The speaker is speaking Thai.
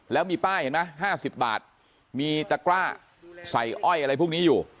แล้วมีป้ายเห็นไหม๕๐บาทมีตะกร้าใส่อ้อยอะไรพวกนี้อยู่